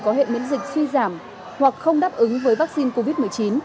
có hệ miễn dịch suy giảm hoặc không đáp ứng với vaccine covid một mươi chín